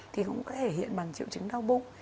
thì cũng có thể hiện bằng triệu chứng đau bụng